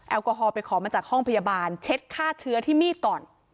แอลกอฮอล์ไปขอมาจากห้องพยาบาลเช็ดฆ่าเชื้อที่มีดก่อน